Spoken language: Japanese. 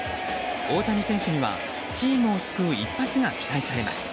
大谷選手にはチームを救う一発が期待されます。